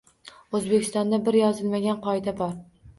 O‘zbekistonda bir yozilmagan qoida bor